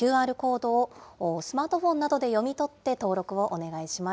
こちらのＱＲコードをスマートフォンなどで読み取って、登録をお願いします。